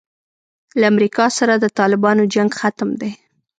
له امریکا سره د طالبانو جنګ ختم دی.